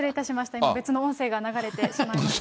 今、別の音声が流れてしまいました。